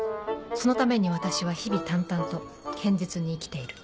そのために私は日々淡々と堅実に生きている